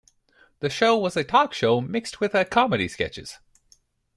The show was a talk show mixed with a comedy sketches.